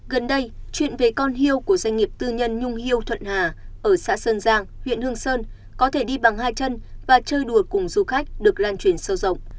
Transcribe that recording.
gần đây chuyện về con hiêu của doanh nghiệp tư nhân nhung hiêu thuận hà ở xã sơn giang huyện hương sơn có thể đi bằng hai chân và chơi đùa cùng du khách được lan truyền sâu rộng